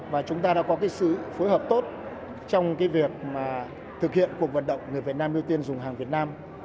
và chúng ta đã có sự phối hợp tốt trong việc thực hiện cuộc vận động người việt nam ưu tiên dùng hàng việt nam